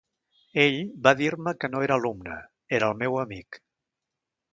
Ell va dir-me que no era alumne, era el meu amic.